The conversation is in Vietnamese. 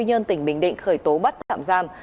tuy nhiên tỉnh bình định khởi tố bắt tạm giam